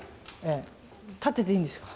立ってでいいんですか？